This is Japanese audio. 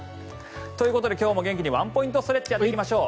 ということで今日も元気にワンポイントストレッチをやっていきましょう。